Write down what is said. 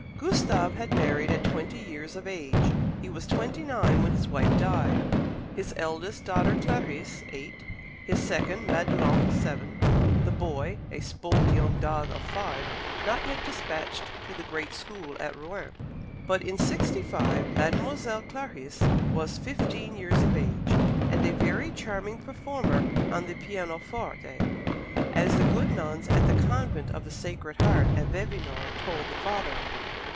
Gustave had married at twenty years of age. He was twenty nine when his wife died. His eldest daughter, Clarice, eight; his second, Madelon, seven; the boy, a spoilt young dog of five, not yet despatched to the great school at Rouen. But in '65 Mademoiselle Clarice was fifteen years of age, and a very charming performer on the pianoforte, as the good nuns at the Convent of the Sacred Heart, at Vevinord, told the father.